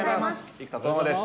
生田斗真です。